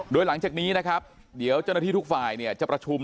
โดยหลังจากนี้นะครับเดี๋ยวเจ้าหน้าที่ทุกฝ่ายเนี่ยจะประชุม